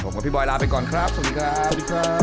ผมกับพี่บอยลาไปก่อนครับสวัสดีครับ